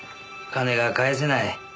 金が返せない